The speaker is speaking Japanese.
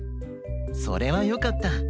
それはよかった。